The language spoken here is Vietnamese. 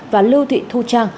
và lưu thị thu trang